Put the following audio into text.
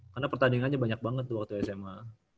karena pertandingannya banyak banget tuh waktu sma